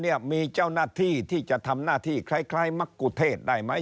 เนี่ยมีเจ้าหน้าที่ที่จะทำหน้าที่คล้ายมักกุเทศได้ไหม